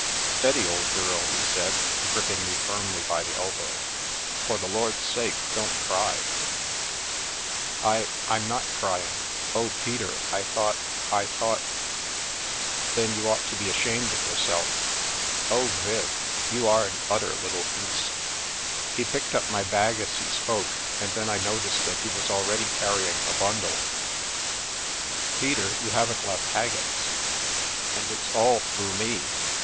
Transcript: " Steady, old girl 1 " he said, gripping me firmly by the elbow, " for the Lord's sake don't cry !" "I — I'm not crying. Oh, Peter, I thought — I thought "" Then you ought to be ashamed of yourself. Oh, Viv, you are an utter little goose !" He picked up my bag as he spoke, and then I noticed that he was already carrying a bundle. " Peter, you haven't left Haggett's ? And it's all through me